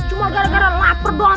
cuma gara gara lapar doang